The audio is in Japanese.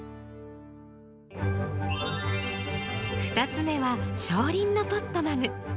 ２つ目は小輪のポットマム。